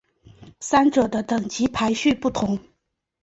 三者的等级排序不同。